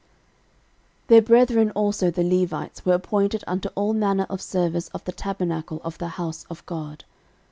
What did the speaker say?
13:006:048 Their brethren also the Levites were appointed unto all manner of service of the tabernacle of the house of God.